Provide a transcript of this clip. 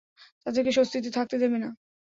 তাদেরকে স্বস্তিতে থাকতে দেব না।